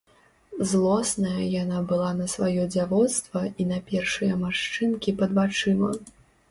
Злосная яна была на сваё дзявоцтва і на першыя маршчынкі пад вачыма.